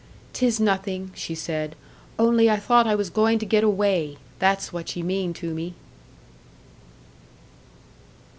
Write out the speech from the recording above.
"'Tis nothin'," she said. "Only I thought I was going to get away! That's what ye mean to me."